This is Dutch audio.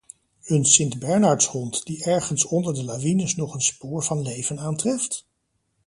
Een sint-bernardshond, die ergens onder de lawines nog een spoor van leven aantreft?